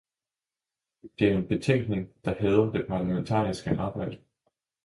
Det er en betænkning, der hædrer det parlamentariske arbejde.